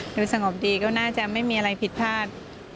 สงบดีก็น่าจะไม่มีอะไรผิดพลาด